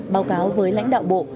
báo cáo với lãnh đạo bộ